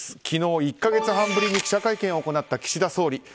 昨日１か月半ぶりに記者会見を行った岸田総理。